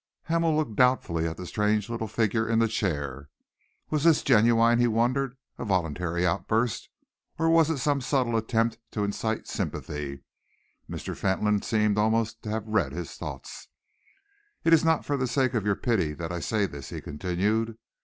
Hamel looked doubtfully at the strange little figure in the chair. Was this genuine, he wondered, a voluntary outburst, or was it some subtle attempt to incite sympathy? Mr. Fentolin seemed almost to have read his thought. "It is not for the sake of your pity that I say this," he continued.